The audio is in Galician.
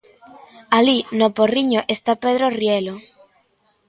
Alí, no Porriño, está Pedro Rielo.